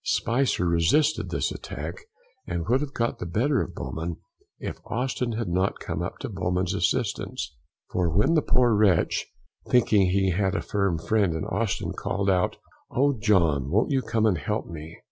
Spicer resisted this attack, and would have got the better of Bowman, if Austin had not come up to Bowman's assistance; for when the poor wretch, thinking he had a firm friend in Austin, called out, "O John, won't you come and help me!"